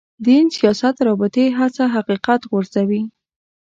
دین سیاست رابطې هڅه حقیقت غورځوي.